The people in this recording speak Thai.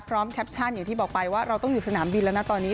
แคปชั่นอย่างที่บอกไปว่าเราต้องอยู่สนามบินแล้วนะตอนนี้